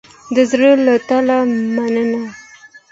د زړه له تله مننه